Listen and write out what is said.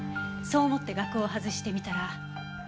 そう思って額を外してみたら。